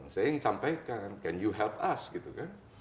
saya yang sampaikan can you help us gitu kan